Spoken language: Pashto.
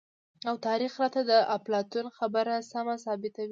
او تاريخ راته د اپلاتون خبره سمه ثابته وي،